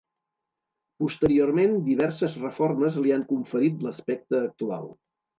Posteriorment diverses reformes li han conferit l'aspecte actual.